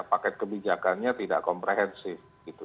paket kebijakannya tidak komprehensif